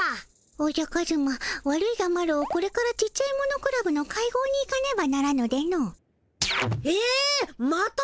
おじゃカズマ悪いがマロこれからちっちゃいものクラブの会合に行かねばならぬでの。え？また？